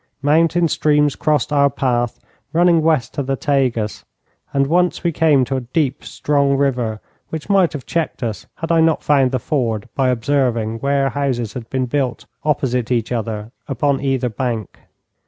Mountain streams crossed our path, running west to the Tagus, and once we came to a deep, strong river, which might have checked us had I not found the ford by observing where houses had been built opposite each other upon either bank.